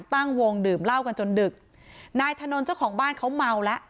ตั้งวงดื่มเหล้ากันจนดึกนายถนนเจ้าของบ้านเขาเมาแล้ว